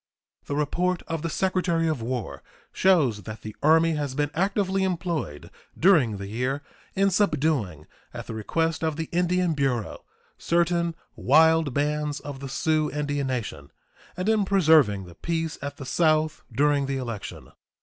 The report of the Secretary of War shows that the Army has been actively employed during the year in subduing, at the request of the Indian Bureau, certain wild bands of the Sioux Indian Nation and in preserving the peace at the South during the election.